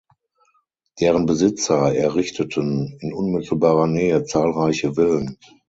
Deren Besitzer errichteten in unmittelbarer Nähe zahlreiche Villen.